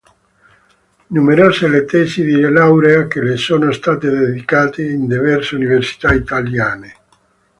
Numerose le tesi di laurea che le sono state dedicate in diverse università italiane.